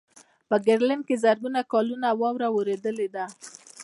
په ګرینلنډ کې زرګونه کلونه واوره ورېدلې ده